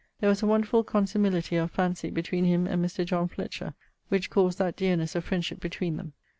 There was a wonderfull consimility of phansey[XIX.] between him and Mr. John Fletcher, which caused that dearnesse of frendship between them.